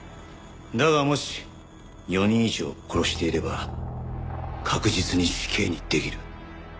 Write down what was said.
だがもし４人以上殺していれば確実に死刑にできる。